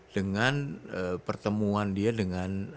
dengan pertemuan dia dengan